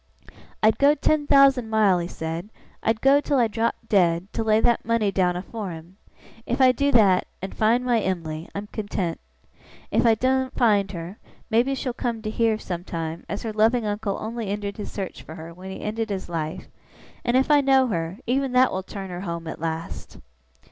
'I'd go ten thousand mile,' he said, 'I'd go till I dropped dead, to lay that money down afore him. If I do that, and find my Em'ly, I'm content. If I doen't find her, maybe she'll come to hear, sometime, as her loving uncle only ended his search for her when he ended his life; and if I know her, even that will turn her home at last!